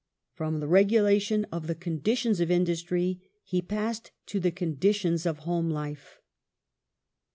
From the regulation of the conditions of industry, he passed to the conditions of home life.